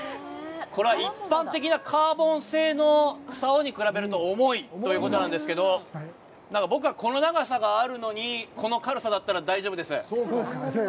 これは一般的なカーボン製の竿に比べると重いということなんですけど、僕は、この長さがあるのにこの軽さだったら大丈夫です。